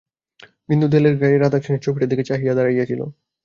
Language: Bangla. বিন্দু দেওয়ালের গাঁয়ে রাধাকৃষ্ণের ছবিটার দিকে চাহিয়া দাড়াইয়া ছিল।